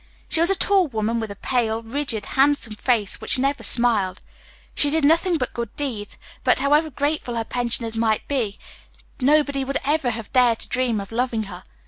She was a tall woman, with a pale, rigid, handsome face, which never smiled. She did nothing but good deeds, but however grateful her pensioners might be, nobody would ever have dared to dream of loving her.